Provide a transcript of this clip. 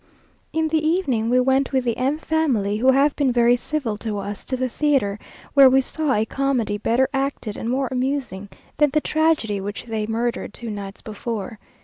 In the evening we went with the M family, who have been very civil to us, to the theatre, where we saw a comedy better acted and more amusing than the tragedy which they murdered two nights before.